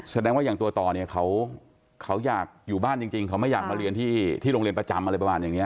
แสดงว่าอย่างตัวต่อเนี่ยเขาอยากอยู่บ้านจริงเขาไม่อยากมาเรียนที่โรงเรียนประจำอะไรประมาณอย่างนี้